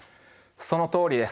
そのとおりです。